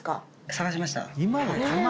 探しました。